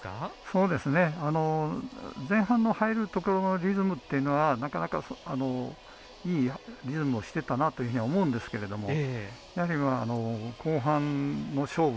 そうですね前半の入るところのリズムっていうのはなかなかいいリズムをしてたなというふうに思うんですけれどもやはり後半の勝負なんでしょうね。